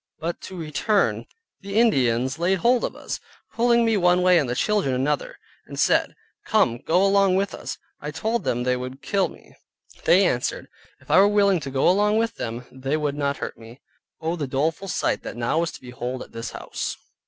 But to return: the Indians laid hold of us, pulling me one way, and the children another, and said, "Come go along with us"; I told them they would kill me: they answered, if I were willing to go along with them, they would not hurt me. Oh the doleful sight that now was to behold at this house!